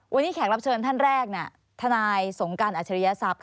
วันนี้แขกรับเชิญท่านแรกทนายสงการอัจฉริยศัพย